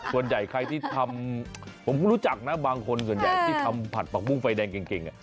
ส่วนใหญ่ใครที่ทำผมก็รู้จักนะบางคนส่วนใหญ่ที่ทำผัดผักบุ้งไฟแดงเก่ง